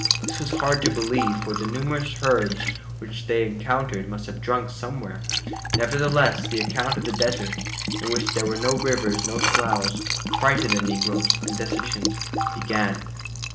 This was hard to believe, for the numerous herds which they encountered must have drunk somewhere. Nevertheless, the account of the desert, in which there were no rivers nor sloughs, frightened the negroes and desertions began.